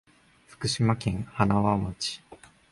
福島県塙町